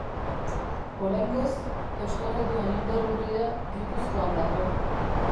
Oraingoz euskarak duen indar urria Gipuzkoan dago.